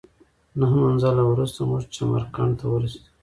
نهه منزله وروسته موږ چمرکنډ ته ورسېدلو.